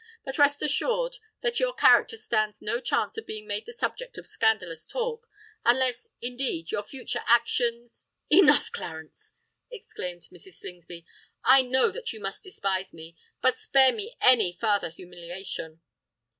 "But rest assured that your character stands no chance of being made the subject of scandalous talk—unless, indeed, your future actions——" "Enough, Clarence!" exclaimed Mrs. Slingsby. "I know that you must despise me: but spare me any farther humiliation!"